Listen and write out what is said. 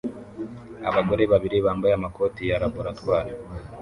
Abagore babiri bambaye amakoti ya laboratoire